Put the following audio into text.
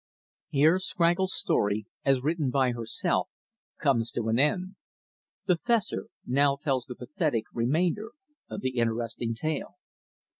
Here Scraggles' story as written by herself comes to an end. The Fessor now tells the pathetic remainder of the interesting tale.